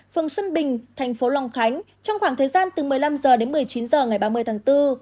phường xuân bình thành phố long khánh trong khoảng thời gian từ một mươi năm h đến một mươi chín h ngày ba mươi tháng bốn